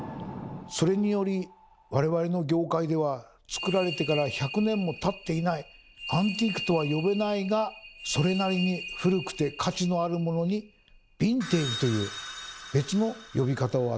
それにより我々の業界では作られてから１００年もたっていない「アンティーク」とは呼べないがそれなりに古くて価値のあるモノに「ヴィンテージ」という別の呼び方を与えたんですね。